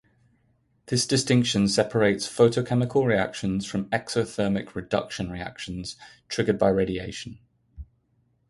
This distinction separates photochemical reactions from exothermic reduction reactions triggered by radiation.